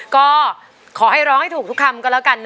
ก็ขอให้ร้องให้ถูกทุกคำก็แล้วกันนะ